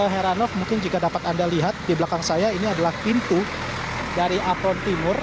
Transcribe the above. heranov mungkin jika dapat anda lihat di belakang saya ini adalah pintu dari apron timur